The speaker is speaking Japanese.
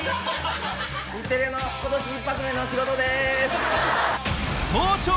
日テレの今年一発目の仕事です。